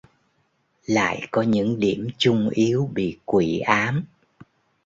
lại có những điểm chung yếu bị quỷ ám